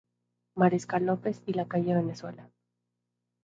Mariscal López y la calle Venezuela.